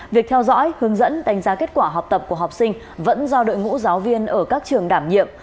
việc theo dõi hướng dẫn đánh giá kết quả học tập của học sinh vẫn do đội ngũ giáo viên ở các trường đảm nhiệm